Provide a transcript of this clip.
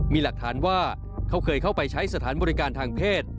มีหลักฐานว่าเขาเคยเข้าไปใช้สถานบริการทางเพศ